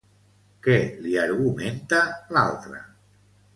Què li argumenta l'altra?